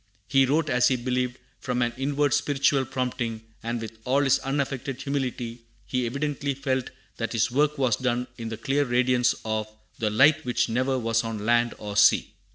He wrote, as he believed, from an inward spiritual prompting; and with all his unaffected humility he evidently felt that his work was done in the clear radiance of "The light which never was on land or sea."